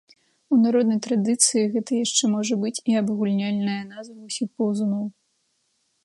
У народнай традыцыі гэта яшчэ можа быць і абагульняльная назва ўсіх паўзуноў.